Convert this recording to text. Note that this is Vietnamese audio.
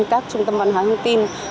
các trung tâm văn hóa thông tin